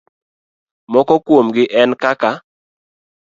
Moko kuomgi en kaka: